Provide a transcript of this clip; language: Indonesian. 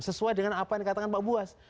sesuai dengan apa yang dikatakan pak buas